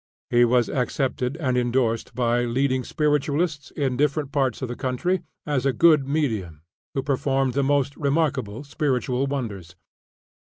He was accepted and indorsed by leading spiritualists in different parts of the country, as a good medium, who performed the most remarkable spiritual wonders.